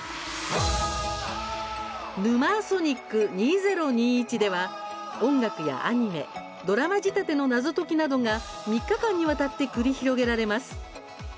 「ヌマーソニック２０２１」では音楽やアニメドラマ仕立ての謎解きなどが３日間にわたって繰り広げられます。